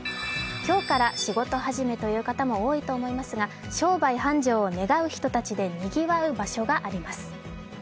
今日から仕事始めという方も多いと思いますが商売繁盛を願う人たちでにぎわう場所があります。